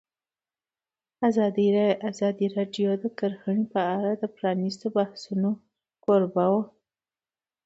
ازادي راډیو د کرهنه په اړه د پرانیستو بحثونو کوربه وه.